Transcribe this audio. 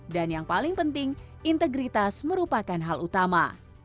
dan yang paling penting integritas merupakan hal utama